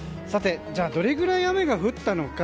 どれぐらい雨が降ったのか。